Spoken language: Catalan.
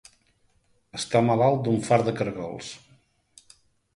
Estar malalt d'un fart de cargols.